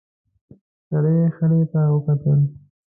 سړي خرې ته وکتل.